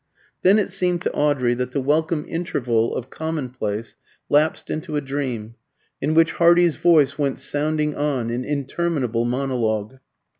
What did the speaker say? Then it seemed to Audrey that the welcome interval of commonplace lapsed into a dream, in which Hardy's voice went sounding on in interminable monologue.